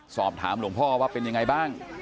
สอบถามหลวงพ่อว่าเป็นยังไงบ้าง